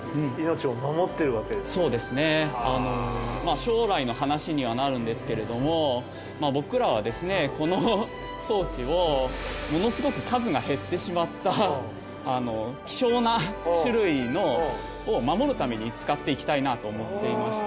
将来の話にはなるんですけれども僕らはですねこの装置をものすごく数が減ってしまった希少な種類を守るために使っていきたいなと思っていまして。